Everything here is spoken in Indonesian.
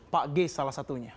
pak geis salah satunya